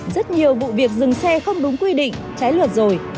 rất nhiều vụ việc dừng xe không đúng quy định trái luật rồi